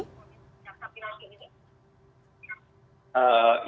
fonis jaksa pinangki ini